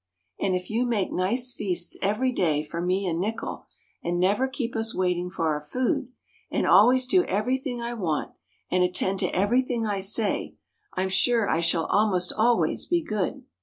And if you make nice feasts every day for me and Nickel, and never keep us waiting for our food, And always do everything I want, and attend to everything I say, I'm sure I shall almost always be good.